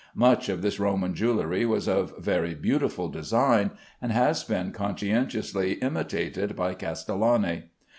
Much of this Roman jewelry was of very beautiful design, and has been most conscientiously imitated by Castellani.